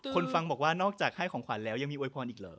ฟังบอกว่านอกจากให้ของขวัญแล้วยังมีโวยพรอีกเหรอ